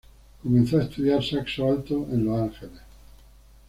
Comenzó a estudiar saxo alto en Los Ángeles.